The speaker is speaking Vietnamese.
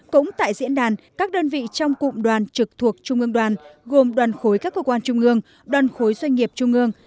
cũng tại diễn đàn các đơn vị trong cụm đoàn trực thuộc trung ương đoàn gồm đoàn khối các cơ quan trung ương đoàn khối doanh nghiệp trung ương